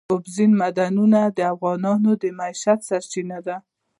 اوبزین معدنونه د افغانانو د معیشت سرچینه ده.